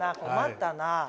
困ったな。